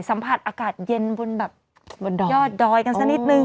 สัมผัสอากาศเย็นบนแบบบนดอยยอดดอยกันสักนิดนึง